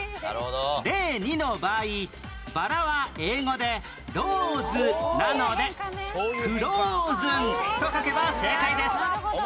例２の場合バラは英語でローズなのでフローズンと書けば正解です